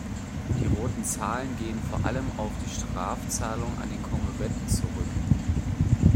Die roten Zahlen gehen vor allem auf die Strafzahlungen an den Konkurrenten zurück.